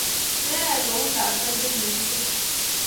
Meyai kou lakwet ne kikingem